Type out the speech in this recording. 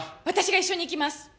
私が一緒に行きます！